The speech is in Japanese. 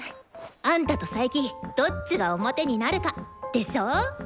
あんたと佐伯どっちが表になるかでしょ？